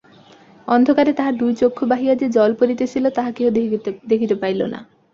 অন্ধকারে তাঁহার দুই চক্ষু বাহিয়া যে জল পড়িতেছিল তাহা কেহ দেখিতে পাইল না।